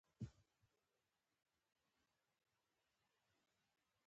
کال څو فصلونه لري؟